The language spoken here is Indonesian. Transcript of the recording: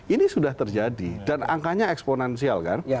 ini sudah terjadi dan angkanya eksponensial kan